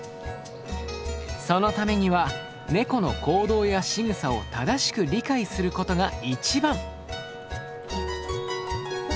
そのためにはネコの行動やしぐさを正しく理解することが一番。